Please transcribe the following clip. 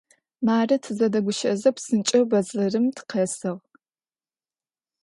Мары, тызэдэгущыӏэзэ, псынкӏэу бэдзэрым тыкъэсыгъ.